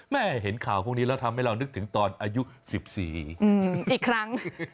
เห็นข่าวพวกนี้แล้วทำให้เรานึกถึงตอนอายุ๑๔อีกครั้ง